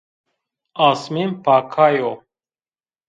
Asmên paka yo